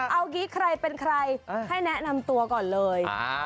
เอางี้ใครเป็นใครให้แนะนำตัวก่อนเลย